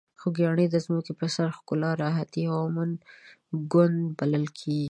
خوږیاڼي د ځمکې په سر د ښکلا، راحتي او امن ګوند بلل کیږي.